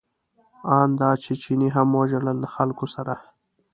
ان دا چې چیني هم وژړل له خلکو سره.